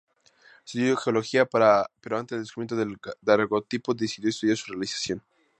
Estudió Geología pero ante el descubrimiento del daguerrotipo decidió estudiar su realización.